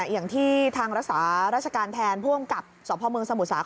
อย่างที่ทางรัศาราชการแทนพ่วงกับสมพเมืองสมุทรสาคร